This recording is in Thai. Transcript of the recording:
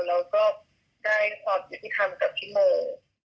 แล้วก็ได้ความยุติธรรมกับพี่โม